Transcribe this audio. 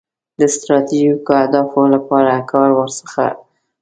د ستراتیژیکو اهدافو لپاره کار ورڅخه اخلي.